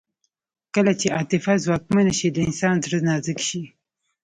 کله چې عاطفه ځواکمنه شي د انسان زړه نازک شي